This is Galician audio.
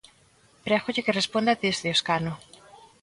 Prégolle que responda desde o escano.